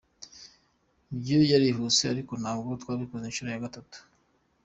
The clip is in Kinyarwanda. Bwo yarihuse ariko ntabwo twabikoze inshuro ya gatatu.